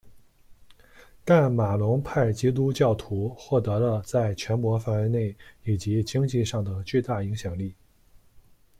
但马龙派基督教徒获得了在全国范围内以及经济上的巨大影响力。